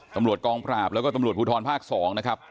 ตำรวจกองปราบแล้วก็ตำรวจภูทรภาค๒นะครับ